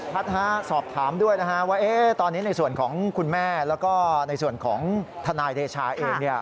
ท่านฮะสอบถามด้วยว่าตอนนี้ในส่วนของคุณแม่และก็ในส่วนของทนายเดชาเอง